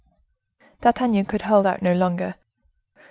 D'Artagnan could hold out no longer.